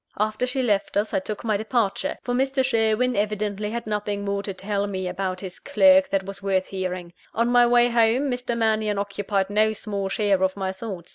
After she left us, I took my departure: for Mr. Sherwin evidently had nothing more to tell me about his clerk that was worth hearing. On my way home, Mr. Mannion occupied no small share of my thoughts.